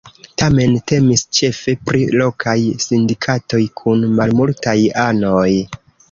Tamen temis ĉefe pri lokaj sindikatoj kun malmultaj anoj.